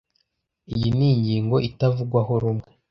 Iyi ni ingingo itavugwaho rumwe